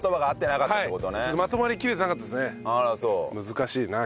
難しいな。